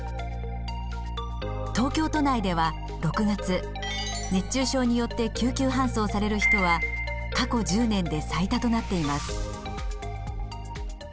東京都内では６月熱中症によって救急搬送される人は過去１０年で最多となっています。